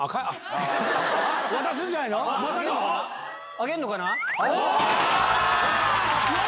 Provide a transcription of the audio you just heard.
あげるのかな？